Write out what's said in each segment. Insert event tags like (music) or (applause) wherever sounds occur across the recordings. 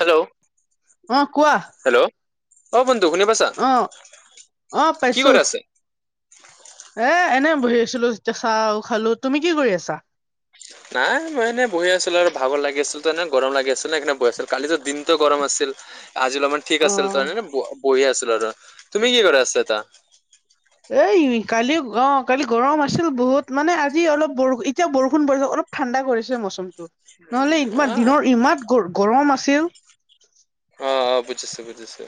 Hello অ কোৱা। Hello অ বন্ধু শুনি পাইছা? অ অ কি পাইছো কৰি আছে? এ এনে বহি আছিলো যেতিয়া চাহ খালো। তুমি কি কৰি আছা? নাই মই এনেই বহি আছিলো আৰু ভাগৰ লাগি আছিলো ত এনে গৰম লাগি আছিল ন সেইকাৰণে বহি আছিলো কালিতো দিনটো গৰম আছিল। আজি আলপমান ঠিক অ আছিল ত ন বহি আছিল। আৰু তুমি কি কৰে আছা তা? এ কালি অ কালি গৰম আছিল বহুত মানে আজি অলপ ব এতিয়া বৰষুণ পৰি অলপ। অলপ ঠাণ্ডা কৰিছে মৌচমটো নহলে, ইমান আহ দিনৰ ইমান গ গৰম আছিল। অ অ বুজিছো বুজিছো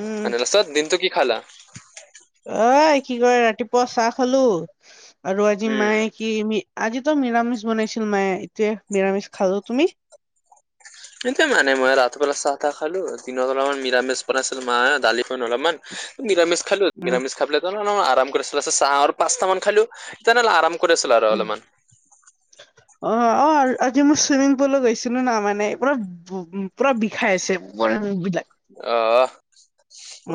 উম মানে লাজপত দিনটো কি খালা? অ কি কৰে ৰাতিপুৱা চাহ খালো। আৰু আজি উম মায়ে কি আজিতো মৰামিষ বনাইছিল মায়ে য়ে নিৰামিষ খালো। তুমি? কিন্তু মানে মই ৰাতিপুৱালে চা কা খালো দিনত অলপমান নিৰামিষ বনাইছিলো মা দালি অলপমান নিৰামিষ। খালো উম নিৰামিষ খাব ত আম কৰি চাহ আৰু পাঁচটা মান খালো (unintelligible) কত আছিলা আৰু উম। অলপমান। অ, অ। আজি মই চুইমিং পুলো গৈছিলো না। মানে, পুৰা উ পুৰা বিষাই আছে বিলাক। অ,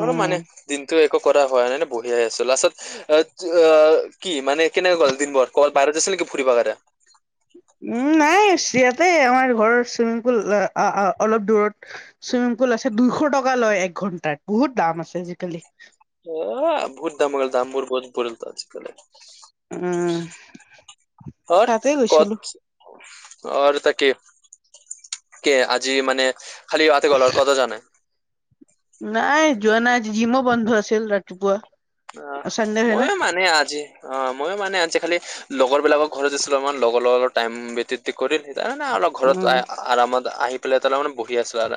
অলপ মানে দিনটোৱে। হয়ে বহি আছো লাচতত কি মানে কেনেকে গ'ল দিনবোৰ ক'ৰবাত বাহিৰত কে ফুৰিবাে। (unintelligible) উম নাই ইয়াতে আমাৰ ঘৰৰ চুইমিং পুল অলপ দূৰত চুইমিং। ছে দুইশ টকা লয় একঘন্টাত বহুত দাম আছে আজিকালি। আহ বহুত দাম হৈ গ'ল দামবোৰ বহুত পৰিলো আজিকালে। উম তাতে গৈছিলো। অ তাকে কি আজি মানে খালি তাতে গল আৰু কতো যোৱা নাই। নাই যোৱা নাই আজ জিমো বন্ধ আছিল ৰাতিপুৱা। অ চানডে হয় না। ময়ো মানে আজি অ ময়ো মানে আজি খালি লগৰ। লগৰ বিলাকৰ ঘৰত আছিলো অকনমান লগৰ লগ টাইম ভ কৰি অলপ ঘৰত উম, আৰামত আহ। ত মানে বহি আছো আৰু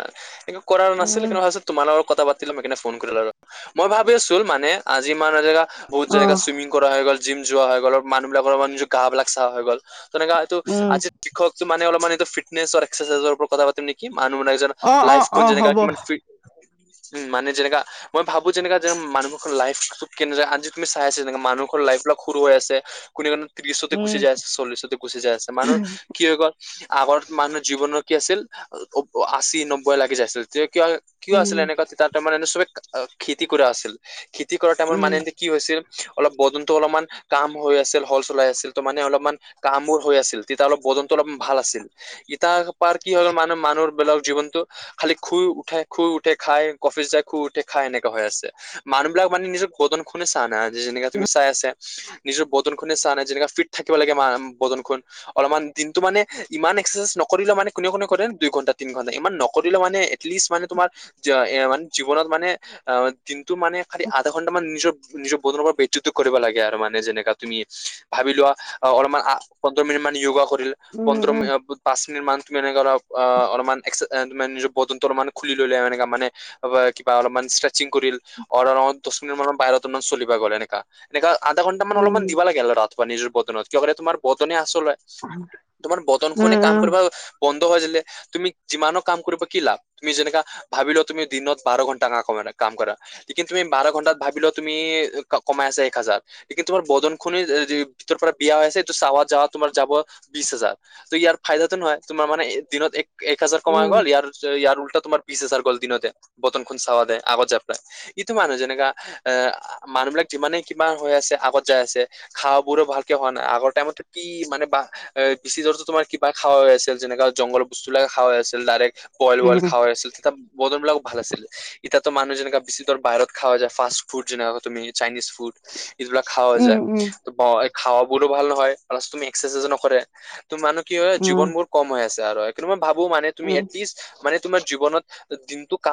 এক কৰা নাছিল উম, কি ভাবো তোমালোকৰ। কথা পাতিলো ম সেইকাৰণে ফোন কৰিলো আৰু মই ভাবি আছো মানে আজি মান এজেগা, বহুত যেনেকা অ', চুইমিং কৰা হৈ গ'ল জিম যোৱা হৈ গল মানুহবিলাকৰ মানে নিজৰ গা বিলাক চাফ হৈ গ'ল। তেনেকা এইটো উম, আজি শিক্ষক মানে অলপমানানটো ফিটনেছ এক্ৰচাইজৰৰত কথা পাম নেকি। মানুহ ন এজন অ', অ', লাইফখন অ', যেনেকা হ'ব কিমান ফ। উ মানে যেনেকা মই ভাবো যেনেকা যে মানুহ। লাইফ কেনে আজি তুমি চাই আছা তেনেক মানুহৰ লাইফবাক সৰু হৈ আছে কোনে। ত্ৰিশতে গুচি উম, যাই আছে চল্লিশতে গুচি যাই আছে মানুহৰ কি হৈ গ'ল আগৰ মানুহৰ জীৱনৰ। কি আছিল আচি নব্বৈ লাগি যায়। আছিল তেয়া কিয় কিয় উম, আছিল এনেকুৱা তাৰ টাইমৰ এনে চবে খেতি কৰা আছিল। খেতি কৰা টাইমৰ উম, মানে কি হৈছিল। অলপ বদনতো অলপমান কাম হৈ আছিল। হল চলাই আছিল। ত মানে অলপমান কামোৰ হৈ আছিল। তেতিয়া অলপ তদন্ত অলপ ভাল আছিল ইতাৰ পাৰ কি হৈল মানহ মানুহৰবলাকৰ জীৱনটো খালি শুই উঠে। খুই উঠে খাই কফিচ যাই খুই উঠে খাই এনেকা হৈ আছে। মানুহ বিলাক মানে নিজৰ বদন খুনে চা নাই। যেনে তুমি চাই আছে নিজৰ বদন খুনে চা নাই যেনে ফিট থাক থিব লাগে বন খ অলপমান দিনটো মানে ইমান এক্ৰচাইজ নকৰিলে মানে কোনে কোনে কৰে দুই ঘন্টা। ম ম ইমান নকৰিলেও মানে এটলিষ্ট মানে তোমাৰ জ জীৱনত মানে অ মানে খালি আধা ঘন্টা মান নিজৰ নিজৰ বদন (unintelligible) জেনেকা তুমি ভাবি লোৱা পোন্ধৰ মিনিটমান য়োগা কৰি উম, পোন্ধৰ উম, পাঁচ মিনিটমান (unintelligible) এ তমাৰ নিজৰ বদনটো অলপমান খুলি ললে এ মান কিবা অলপমান ষ্ট্ৰেচিং কৰিল অ অ। দছ মিনিট মান বাহিৰত মান চলিব গল এনেকা এনেকা আধা ঘণ্টা মান উম, অলপমান দিব লাগে ৰা। নিজৰ বতনত কিয় কৰে। তোমাৰ বতনে আচল হয়। তোমাৰ বতন খনে কাম কৰবা ব হৈ তুমি যিমানো কাম কৰিব কি লাভ। তুমি যেনেকা ভাবিলা তুমি দিনত বাৰ ঘন্টা কমা কাম কৰা। লকু তুমি বাৰ ঘন্টাত ভাবিল তুমি কমাই আ এক হাজাৰ লকু তোমাৰ বদন খুনিৰ (unintelligible) ৰ পৰা বিয়া হৈ আছেটো চাৱাত যাৱাত তোমাৰ যাব বিছ হাজাৰ। ত ইয়াৰ ফাইদাটো নহয় তোমাৰ মানে দিনত এক হাজাৰ উম, কমাই উম, গল ইয়াৰ ইয়াৰ উল্টা তোমাৰ বিছ এ চাৰ গল দিনতে বতনখন খ চাৱা দে আগত যাব। ইটো মানুহ যেনেকা এ মানুহ বিলাক যিমানে কিবা হৈ আছে আগত যাই আছে খা পুৰা ভালকে হোৱা নাই। আগৰ টাইমত কি মানে বা বেছি জো তোমাৰ কিবা খা হৈ আছিল যেনে জংঘল বস্তুবিলাকে খাই আছিল, ডাইৰেক বইল ৱইল উম, খাই হৈ আছিল। তেতিয়া বদন বিলাকো ভাল আছিল। এতিয়াটো মানুহ যেনেকা (unintelligible) বাহিৰত খাৱা যায় ফাষ্ট ফুড যেনেকা তুমি চাইনিজ ফুড এইগিলাক খাৱা উম, উম, উম, উম, উম, যায়। খাৱাবোৰো ভাল নহয়। প্লাছ তুমি এক্সাৰচাইজো নকৰে। তু মানে কি হয় উম, জীৱনবোৰ কম হৈ আছে আৰু। মই ভাবো মানে তুমি এটলিষ্ট মানে তোমাৰ জীৱনত দিনটো ক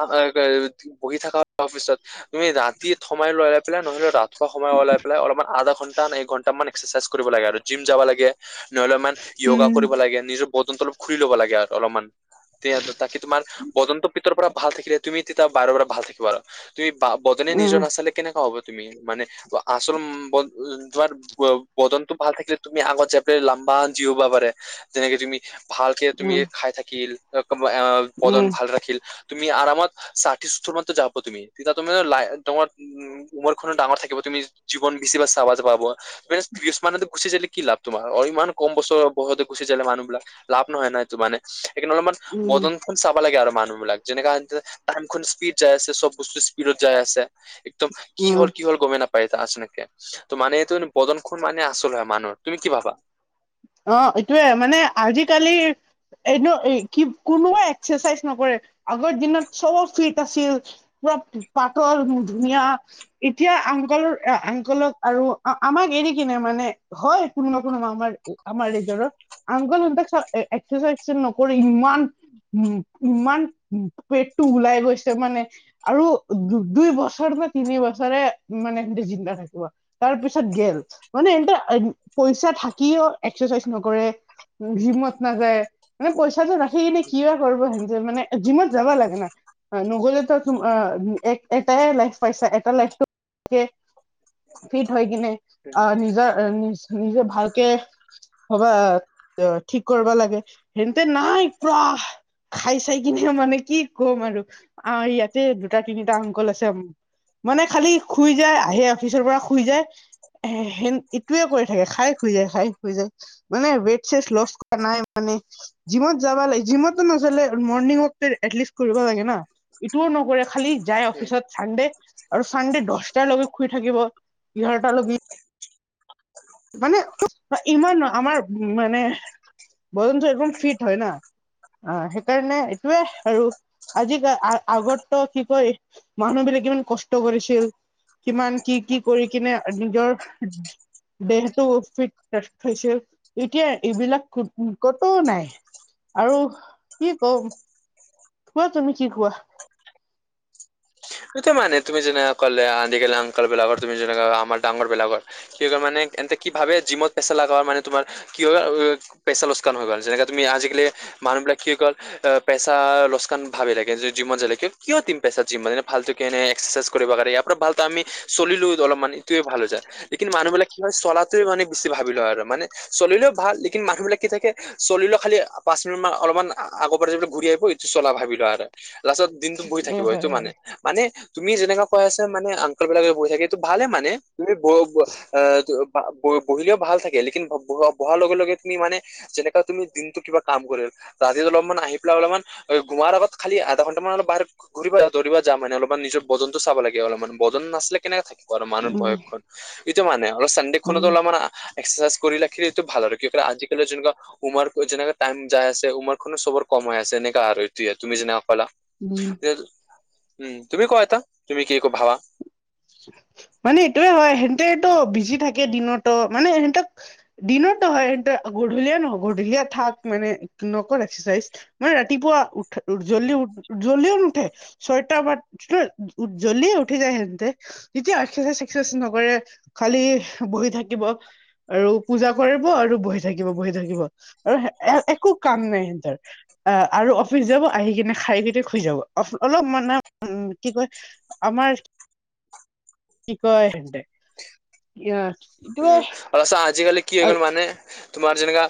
বহি থকা। অফিচত তুমি ৰাতি সময়াই লাই পেলাই নহলে ৰাতিপুৱা সময় ওলাই পেলাই অলপমান আধা ঘন্টা ন এক ঘণ্টা মানে এক্সাৰচাইজ কৰিব লাগে আৰু জিম যাব লাগে। নহলে ইমান য়োগা কৰিব লাগে নিজৰ বদনটো অলপ খুলি ল'ব লাগে আৰু। অলপমান তে তাকে তোমাৰ বদনটো ভিতৰৰ পৰা ভাল থাকিলে তুমি তেতিয়া বাৰে বাৰে ভাল থাকিবা আৰু। তুমি বা বদনে উম, নিজৰ নাচালে কেনেকুৱা হ, ব? তুমি মানে আচল তোমাৰ বদন্ত ভাল থাকিল তুমি আগত জেপিয়া লাভ বা জিওবা পাৰে যেনেকে তুমি ভালকে তুমি খাই থাকিল বদন উম, ভাল ৰাখিল। তুমি আৰামত চাঠি, সত্তৰ মানটো যাব তুমি তেতিয়া তুমি ল তোমাৰ উম তোমাৰখনো ডাঙৰ থাকিব। তুমি জীৱন বেছি চাবা যাব। (unintelligible) গুচি যালে কি লাভ তোমাৰ? অ ইমান কম বছৰ বয়তে গুচি যালে মানুহ বিলাক লাভ নহয় না। মানে সেইকাৰনেই অলপমান উম, বদনখন চাবা লাগে আৰু মানুহ বিলাক যেনেকা টাইমখন স্পিড যায় আছে। চব বস্তু স্পীডত যাই আছে। একদম কি উম হল কি হ'ল গমে নাপ বাৰিত আছে নেকি? ত মান এইটো বদনখন মানে আচল হয় মানুহ। তুমি কি ভাবা? অ, এইটোৱে মানে আজি-কালি এনে কি কোনোৱে এক্সেচাইজ নকৰে। আগৰ দিনত চব ফিট আছিল। পাতল ধুনীয়া এতিয়া আংকলৰ আংকলক আৰু আমাক এৰি কিনে মানে, হয় কোনোবা কোনোবা আমাৰ। আমাৰ এইযোৰৰ আংকলক এক্সাৰচাইজ নকৰি ইমান উম ইমান পেটটো ওলাই গৈছে মানে আৰু দুই বছৰ (unintelligible) তাৰ পিছত গেমছ চা থাকিও এক্সাৰচাইজ নকৰে। জিমত নাযায় মানে পইচাটো ৰাখি কিনি কিয়া কৰিব হেনজে মানে জিমত যাবা লাগে না। নগলে তো তোমাৰ এটাই লাইফ পাইছা এটা লাইফটো যে। ফিট হৈ কিনে আহ নিজৰ নিজে ভালকে। হবা অ ঠিক কৰিবা লাগে সেন্ততে নাই প্ৰা। খাই চাই কিনে মানে কি কম আৰু আ ইয়াতে দুটা তিনিটা অংকল আছে উম। মানে খালি শুই যায় আহে অফিচৰ পৰা শুই যায়। এ সেন ইটোৱয়ে কৰি থাকে খাই শুই যায় খাই। শুই যায় মানে ৱাইটচেষ্ট লষ্ট কৰা নাই মানে জিমত যাবা লাগে জিমটো নাজালে মৰ। মৰ্নিংৱৰ্কটো এতলিষ্ট কৰিব লাগে না। ইটোও নকৰে খালি যায় অফিচত চানডে আৰু চানডে দছটালৈকে শুই থাকিব। ইঘাৰটালকি মানে উ ইমান আমাৰ উ মানে। বদনটো একদম ফিট হয় না অ সেইকাৰণে এইটোৱে আৰু। আজিকা আ আগতো কি কয় মানুহ বিলাক ইমান কষ্ট কৰিছিল। কিমান কি কি কৰি কিনে নিজৰ। দেহটো ফিট হৈছে এতিয়া এইবিলাক কতও নাই। আৰু কি কম খোৱা তুমি কি খোৱা? সেইটো মানে তুমি যেনেক ক'লে আজিকালি অংকল বিলাকৰ তুমি যেনো আমাৰ ডাঙৰ বিলাকৰ কি কয় মানে। এন্তে কি ভাবে জিমত পেচা লগ মানে তোমাৰ কি হয় পেচা লোকচান হৈ গ'ল যেনেকে তুমি আজিকালি মানো বিলাক অকল পেচা লাগে ভাবি থাকে, কিয় দিম মই পেচা? ভাল টো কৰি কেনে এক সাৰচাইজ কৰি দিব চলাতোৱে মানে বেছি ভাবি লয় আৰু মানে চলিলেও ভাল লেকিন মানুহ বিলাক কি থাকে চলিলো খালি পাছ অলপমান আগৰ পৰা যলৈ ঘূৰি আহিব এইটো চলা ভাবিল আৰু লাষ্টত দিনতো বহি উম থাকিব সেইটো হয় মানে। হয় মানে তুমি যেনেকা কৈ আছা মানে অংকল বিলাক বহি থাকে এইটো ভালে মানে তুমি ব ব বহিলেও ভাল থাকে লেকিন ব বহাৰ লগে লগে তুমি মানে যেনেকা তুমি দিনতটো কিবা কাম কৰি ৰাতি অলপমান আহি পেলাই অলপমান গমাৰ আগত খালি আধা ঘন্টা মান বাহিৰত অলপ ঘূৰিব যায়। দৰিব যাম মানে অলপমান নিজৰ বজনোটো চাব লাগে অলপমান বজন নাছলে কেনেকে থাকিম। মানুহ উম বয়স খন এইটো মানে অলপ চানডে খনটো উম অলপ মান একচাচাইজ কৰি ৰাখিলেটো ভাল আৰু। কি কয়, আজিকালি যোনবিলাক উমাৰ কৈ যেনেকে যায় আছে। উমাৰখনো চবৰ কম হৈ আছে। এনেকা আৰু তুমি যেনে ব'লা। উম উম, তুমি কোৱা এটা, তুমি কি ভাবা? (inaudible) মানে, এইটোৱে হয়। সিহঁতে এইটো বিজি থাকে দিনতো। মানে, সিহঁতক দিনটো হয় সেইটো। গধূলিয়ে নহ'ব। গধূলীয়া থাক মানে, অকল এক্সাৰচাইজ মানে, ৰাতিপুৱা উঠি জল্দি উ জল্দিও নুঠে। ছয়টাৰ বা জল্দি উঠি যায় সিহঁতে। তেতিয়া এক্সেৰচাইচ, চেক্সেৰচাইচ নকৰে খালি বহি থাকিব। আৰু পূজা কৰিব আৰু বহি থাকিব, বহি থাকিব আৰু একো কাম নাই সিহঁতৰ। অ'! আৰু অফিচ যাব, আহি কিনে খাই কিনে শুই যাব। অলপ মানে, কি কয় (unintelligible) উম, ইচ্ছা! আজিকালি কি হৈ গ'ল মানে, তোমাৰ যেনেকা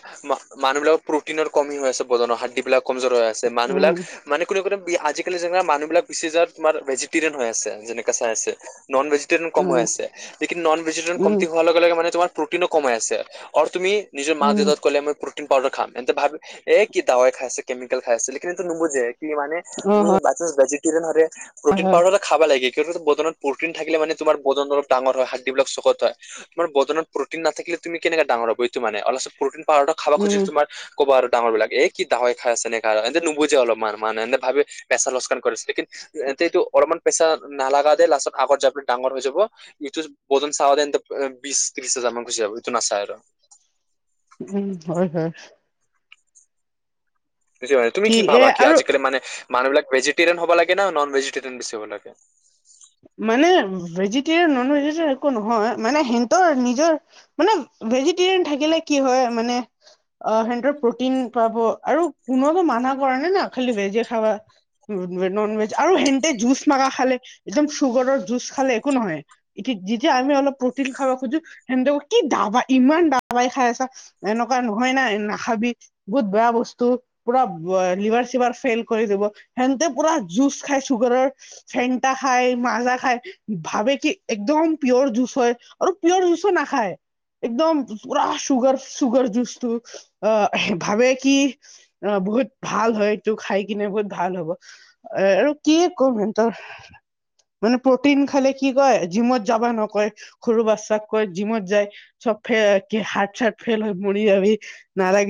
মানুহ বিলাক প্ৰটিনৰ কমি হৈ আছে। বজনৰ হাৰ্ডি বিলাক কমজোৰৰ হৈ আছে। মানুহ বিলাক উম মানে, কোনে, কো আজিকালি যেনেকে মানুহ বিলাক (unintelligible) তোমাৰ, ভেজিটেৰিয়ান হৈ আছে, যেনেকে চাই আছে। নন ভেজিটেৰিয়ান কম হৈ উম আছে। লেকিন নন ভেজিটেৰিয়ান কম উম তাকে, মানে, তোমাৰ প্ৰটিনো কম হৈ আছে আৰু তুমি নিজৰ মাক উম দেউতাক ক'লে ম পাউডাৰ খাম। তেন্তে, ভাবি এই কি দাৱাই খাইছে, কেমিকেল খাই আছে। সেইখিনি ত' নুবুজে। কি মানে, অ তুমি হয় বাইচান্স ভেজিটেৰিয়ান (unintelligible) হয় প্ৰটিন হয় পাউাৰ হ'লেও খাব লাগে। (unintelligible) প্ৰটিন থাকিলে মানে, তোমাৰ বদন অলপ ডাঙৰ হয়। হাৰ্ড বিলাক চকত হয়। তোমাৰ বদনত প্ৰটিন নাথাকিলে, তুমি কেনেকা ডাঙৰ হ'ব এইটো মানে। প্ৰটিন পাউদাৰ খাব উম খুজিলে তোমাৰ ক'ব আৰু ডাঙৰ বিলাকে এই কি দাৱাই খাই আছে। এনেকা আৰু সিহঁতে নুবুজে অলপমান মানে, সিহঁতে ভাৱে প্ৰেছাৰ (unintelligible) কৰিছিলে (unintelligible) পেছা নালাগা দে। লাছতত (unintelligible) ডাঙৰ হৈ যাব। ইটো বদন চাৱ বিশ ত্ৰিশ হাজাৰ মান গুচি যাব। এইটো নাচায় আৰু উম! হয়, হয়। বুজি পাই, তুমি কি এ ভাবা, কি আৰু আজিকালি মানে মানুহবিলাক ভেজিটেৰিয়ান হ'ব লাগে না? নন ভেজিটেৰিয়ান বেছি হ'ব লাগে? মানে ভেজিটেৰিয়ান নন একো নহয়। মানে, সিহঁতৰ নিজৰ মানে, ভেজিটেৰিয়ান থাকিলে, কি হয় মানে অ'! সিহঁতৰ প্ৰটিন পাব আৰু কোনো মানা কৰা নাই না খালি ভেজে খাবা। নন ভেজ আৰু সিহঁতে জুচ মাগাই খালে। একদম চুগাৰৰ জুচ খালে একো নহয়। এ, যেতিয়া আমি অলপ প্ৰ'টিন খাব খোজোঁ। সেনেকে কি (unintelligible) ইমান দাবাই খাই আছা। এনেকুৱা নহয় নাই নাখাবি বহুত বেয়া বস্তু পুৰা! লিভাৰ চিভাৰ ফেল কৰি দিব এনেকে কৰা জুচ খাই চুগাৰ অ ফান্টা খায়, মাজা খায়। ভাবে কি একদম পিঅ'ৰ জুচ হয় আৰু একদম পিঅ'ৰ জুচো নাখায়। একদম পুৰা, চুগাৰ, চুগাৰ জুচটো অ'! ভাবে কি বহুত ভাল হয় এইটো খাই কিনে বহুত ভাল হ'ব। এ আৰু কি কো (inaudible) মানে প্ৰটিন খালে কি কয়, জিমত যাবা নকয় সৰু বাচ্ছাক কৈ জিমত যায় চবে। কি হাত চাত ফেইল হৈ মৰি যাবি। নালাগে।